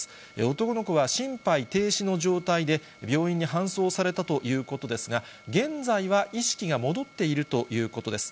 男の子は心肺停止の状態で、病院に搬送されたということですが、現在は意識が戻っているということです。